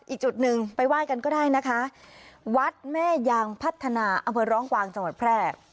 อีกจุดหนึ่งไปไหว้กันก็ได้นะคะวัดแม่ยางพัฒนาอำเภอร้องกวางจังหวัดแพร่